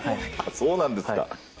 そうなんですか。